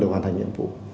để hoàn thành nhiệm vụ